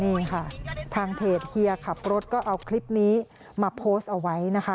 นี่ค่ะทางเพจเฮียขับรถก็เอาคลิปนี้มาโพสต์เอาไว้นะคะ